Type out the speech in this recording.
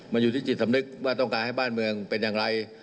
มันอยู่ที่จิตสำนึกว่าต้องการให้บ้านเมืองเป็นอย่างไร